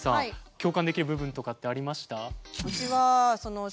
共感できる部分とかってありました？